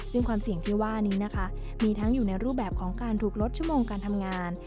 ซึ่งความเสี่ยงที่ว่านี้นะคะมีทั้งอยู่ในรูปแบบของการถูกลดชั่วโมงการทำงาน